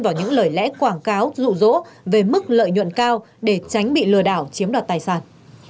vào những lời lẽ quảng cáo rụ rỗ về mức lợi nhuận cao để tránh bị lừa đảo chiếm đoạt tài sản